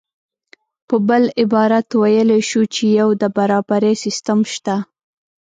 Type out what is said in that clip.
په بل عبارت ویلی شو چې یو د برابرۍ سیستم شته